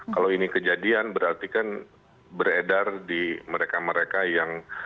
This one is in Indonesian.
kalau ini kejadian berarti kan beredar di mereka mereka yang